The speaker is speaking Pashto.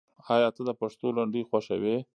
آیا ته د پښتو لنډۍ خوښوې؟